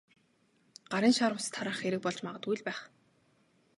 Гарын шар ус тараах хэрэг болж магадгүй л байх.